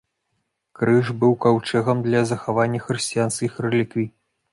Крыж быў каўчэгам для захавання хрысціянскіх рэліквій.